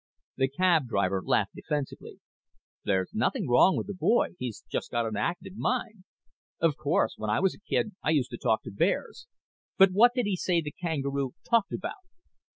The cab driver laughed defensively. "There's nothing wrong with the boy. He's just got an active mind." "Of course. When I was a kid I used to talk to bears. But what did he say the kangaroo talked about?"